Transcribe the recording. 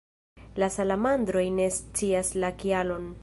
La salamandroj ne scias la kialon.